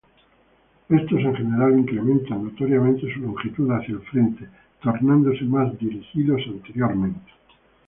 Estos en general incrementan notoriamente su longitud hacia el frente, tornándose más dirigidos anteriormente.